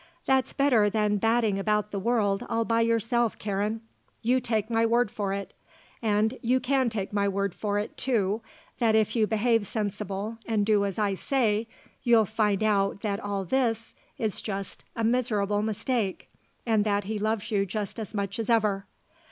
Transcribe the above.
That's better than batting about the world all by yourself, Karen; you take my word for it. And you can take my word for it, too, that if you behave sensible and do as I say, you'll find out that all this is just a miserable mistake and that he loves you just as much as ever.